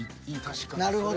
なるほど。